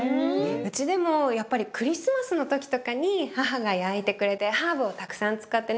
うちでもやっぱりクリスマスの時とかに母が焼いてくれてハーブをたくさん使ってね